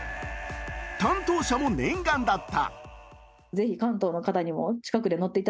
担当者も念願だった。